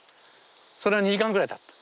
それが２時間ぐらいたってる。